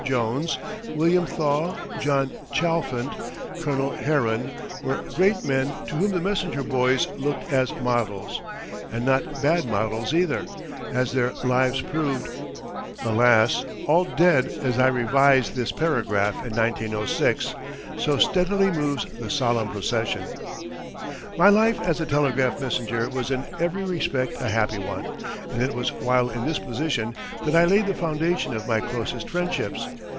Jones, William Thaw, John Chalfant, Colonel Herron were great men to whom the messenger boys looked as models, and not bad models either, as their lives proved. [Alas! all dead as I revise this paragraph in 1906, so steadily moves the solemn procession.] My life as a telegraph messenger was in every respect a happy one, and it was while in this position that I laid the foundation of my closest friendships.